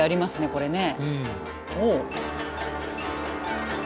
これね。